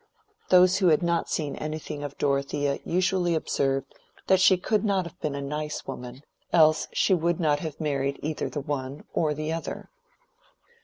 Those who had not seen anything of Dorothea usually observed that she could not have been "a nice woman," else she would not have married either the one or the other.